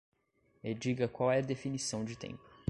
Me diga qual é definição de tempo.